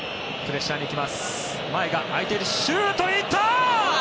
シュートにいった！